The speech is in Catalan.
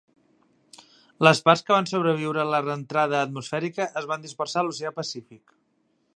Les parts que van sobreviure la reentrada atmosfèrica es van dispersar a l'oceà Pacífic.